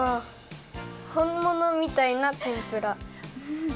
ほんものみたいなてんぷら。